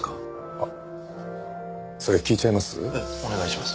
あっそれ聞いちゃいます？